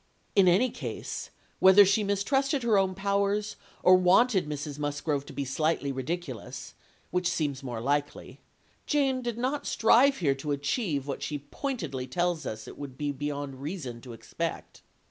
In any case, whether she mistrusted her own powers, or wanted Mrs. Musgrove to be slightly ridiculous, which seems more likely, Jane did not here strive to achieve what she pointedly tells us it would be beyond reason to expect.